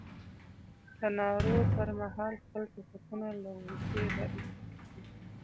د نارو پر مهال خپل ټوپکونه له اوږې را ایسته کوي.